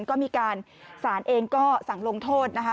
ก็มีการสารเองก็สั่งลงโทษนะคะ